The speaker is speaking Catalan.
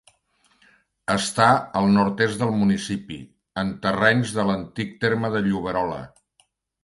Està al nord-est del municipi, en terrenys de l'antic terme de Lloberola.